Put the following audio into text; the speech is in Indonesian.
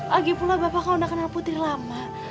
lagipula bapak kan udah kenal putri lama